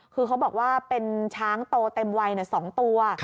คือเขาบอกว่าเป็นช้างโตเต็มวัย๒ตัว